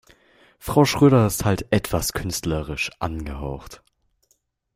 Frau Schröder ist halt etwas künstlerisch angehaucht.